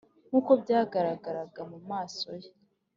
nkuko byagaragaraga mu maso ye,